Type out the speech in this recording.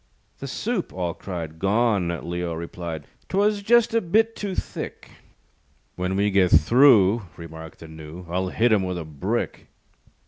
"The soup," all cried. "Gone," Leo replied, "'Twas just a bit too thick." "When we get through," Remarked the Gnu, "I'll hit him with a brick."